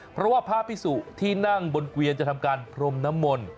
เพราะว่าพระพิสุที่นั่งบนเกวียนจะทำการพรมน้ำมนต์